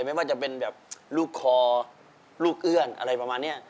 ไม่ว่าจะเป็นแบบลูกคอลูกเอื้อนอะไรประมาณนี้